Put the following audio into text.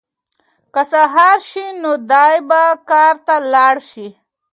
که سهار شي نو دی به کار ته لاړ شي.